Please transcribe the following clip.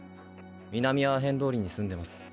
南アーヘン通りに住んでます。